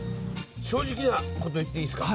正直なこと言っていいですか？